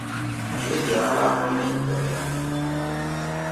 Ge é dea há̧ laa kɔ́-mɛ́ mɛ́ duk pɛmbɛŋ ge?